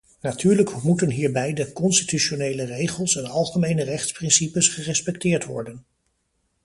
Natuurlijk moeten hierbij de constitutionele regels en algemene rechtsprincipes gerespecteerd worden.